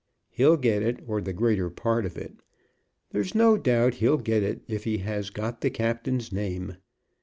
"He'll get it, or the greater part of it. There's no doubt he'll get it if he has got the captain's name.